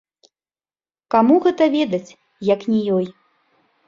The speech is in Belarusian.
Каму гэта ведаць, як не ёй.